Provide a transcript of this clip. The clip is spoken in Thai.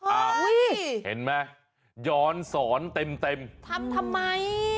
อ้าวเห็นมั้ยย้อนสอนเต็มทำทำไม